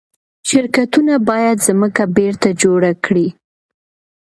شرکتونه باید ځمکه بیرته جوړه کړي.